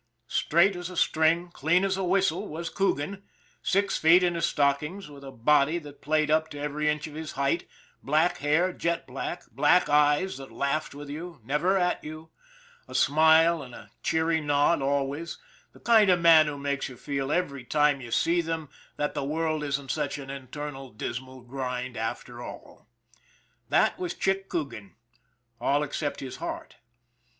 Straight as a string, clean as a whistle was Coogan, six feet in his stockings with a body that played up to every inch of his height, black hair, jet black, black eyes that laughed with you, never at you, a smile and a cheery nod always the kind of a man that makes yon feel every time you see them that the world isn't such an eternal dismal grind after all. That was Chick Coo gan all except his heart.